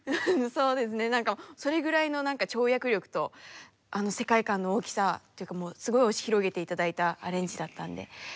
そうですね何かそれぐらいの跳躍力と世界観の大きさっていうかすごい押し広げて頂いたアレンジだったんで。